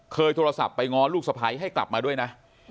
โทรศัพท์ไปง้อลูกสะพ้ายให้กลับมาด้วยนะ